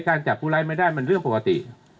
จับผู้ร้ายไม่ได้มันเรื่องปกติ